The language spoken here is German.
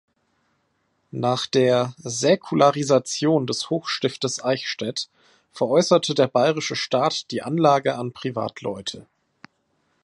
Nach der Säkularisation des Hochstiftes Eichstätt veräußerte der bayerische Staat die Anlage an Privatleute.